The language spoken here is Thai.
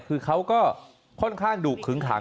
คือเขาก็ค่อนข้างดุขึงขัง